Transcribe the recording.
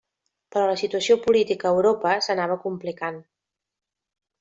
Però la situació política a Europa s'anava complicant.